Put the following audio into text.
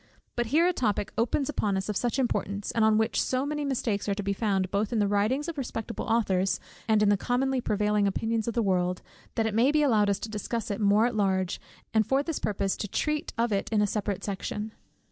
But here a topic opens upon us of such importance, and on which so many mistakes are to be found both in the writings of respectable authors, and in the commonly prevailing opinions of the world, that it may be allowed us to discuss it more at large, and for this purpose to treat of it in a separate section.